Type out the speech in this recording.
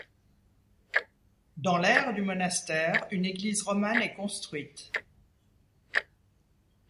Dans l'aire du monastère, une église romane est construite.